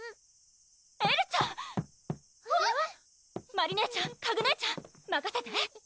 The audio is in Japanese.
まり姉ちゃんかぐ姉ちゃんまかせて！